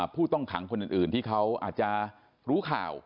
ผู้ต้องขังคนอื่นที่เขาอาจจะรู้ข่าว